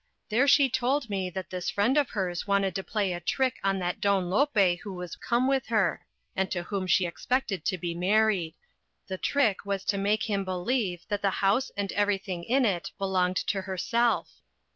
There she told me that this friend of hers wanted to play a trick on that Don Lope who was come with her, and to whom she expected to be married. The trick was to make him believe that the house and everything in it belonged to herself.